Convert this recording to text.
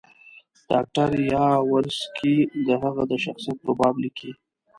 ډاکټر یاورسکي د هغه د شخصیت په باب لیکي.